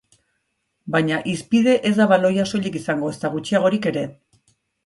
Baina hizpide ez da baloia soilik izango, ezta gutxiagorik ere.